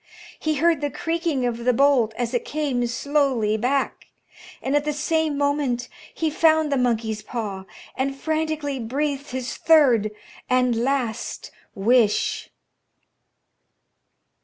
He heard the creaking of the bolt as it came slowly back, and at the same moment he found the monkey's paw, and frantically breathed his third and last wish.